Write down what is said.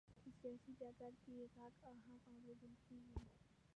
په سیاسي ډګر کې یې غږ هم اورېدل کېږي.